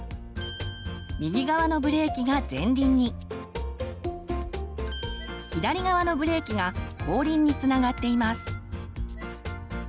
右側のブレーキが前輪に左側のブレーキが後輪につながっています。